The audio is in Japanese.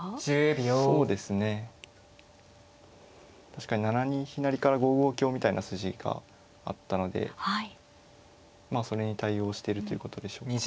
確かに７二飛成から５五香みたいな筋があったのでまあそれに対応してるということでしょうか。